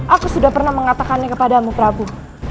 aku sudah pernah mengatakannya kepadamu prabu